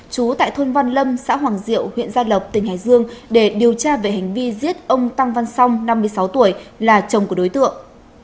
chú tại thôn văn lâm xã hoàng diệu huyện gia lộc tỉnh hải dương để điều tra về hành vi giết ông tăng văn song năm mươi sáu tuổi là chồng của đối tượng